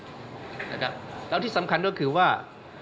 นะครับแล้วที่สำคัญด้วยก็คือว่า